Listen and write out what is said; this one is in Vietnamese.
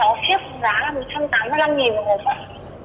một hộp có sáu chiếc giá là một trăm tám mươi năm đồng một hộp ạ